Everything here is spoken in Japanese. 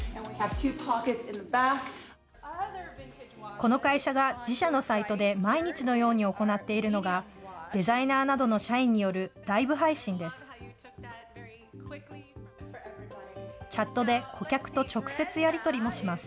この会社が自社のサイトで毎日のように行っているのが、デザイナーなどの社員によるライブ配信です。